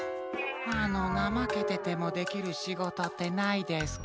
あのなまけててもできるしごとってないですか？